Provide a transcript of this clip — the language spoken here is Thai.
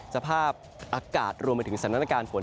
สภาพอากาศรวมไปถึงสถานการณ์ฝน